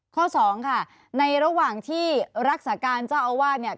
ข้อสองค่ะในระหว่างที่รักษาการเจ้าอาวาสเนี่ย